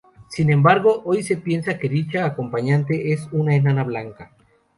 Sin embargo, hoy se piensa que dicha acompañante es una enana blanca.